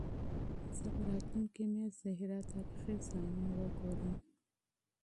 زه به راتلونکې میاشت د هرات تاریخي ځایونه وګورم.